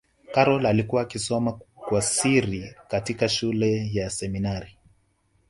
karol alikuwa akisoma kwa siri katika shule ya seminari